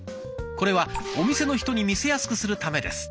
これはお店の人に見せやすくするためです。